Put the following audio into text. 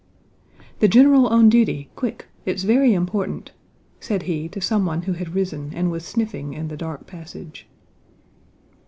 "The general on duty, quick! It's very important!" said he to someone who had risen and was sniffing in the dark passage.